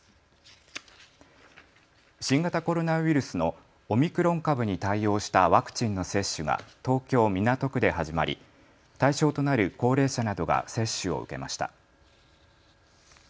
新型コロナウイルスのオミクロン株に対応したワクチンの接種が東京港区で始まり、対象となる高齢者などが接種を受けました。